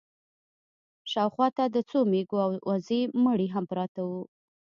شا و خوا ته د څو مېږو او وزو مړي هم پراته وو.